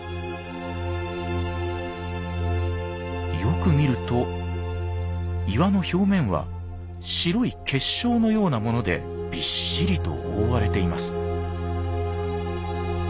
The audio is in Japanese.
よく見ると岩の表面は白い結晶のようなものでびっしりと覆われています。